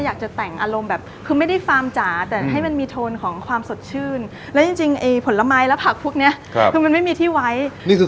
อยากมาทานอะไรก็มาที่แล้วก็ทำให้ดูครั้งเดียวขอไปดูบรรยากาศแบบจริงเลย